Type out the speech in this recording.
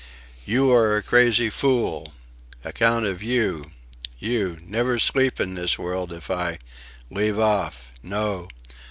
"You are a crazy fool!..." "Account of you... you... Never sleep in this world, if I..." "Leave off." "No!...